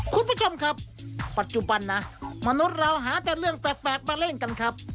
คุณผู้ชมครับปัจจุบันนะมนุษย์เราหาแต่เรื่องแปลกมาเล่นกันครับ